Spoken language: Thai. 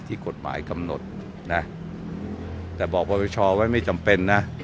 ที่กฎหมายคำนดนะแต่บอกพวิชอว่าไม่จำเป็นน่ะ